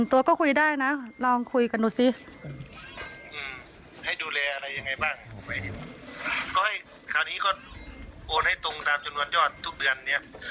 อะไรยังไงบ้างก็ให้คราวนี้ก็โอนให้ตรงตามจนวันยอดทุกเดือนเนี้ย